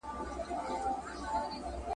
ګل سرخ ته تر مزاره چي رانه سې !.